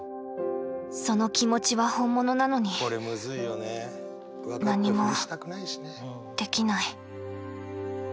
その気持ちは本物なのに何もできない。